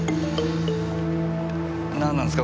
何なんですか？